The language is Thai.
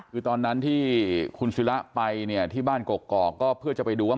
คือตอนนั้นที่คุณศิละไปเนี่ยที่บ้านกอกก็เพื่อจะไปดูว่า